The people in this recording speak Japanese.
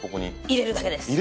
入れるだけです。